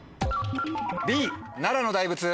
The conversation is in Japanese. Ｂ奈良の大仏。